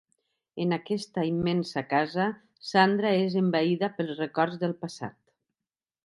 En aquesta immensa casa, Sandra és envaïda pels records del passat.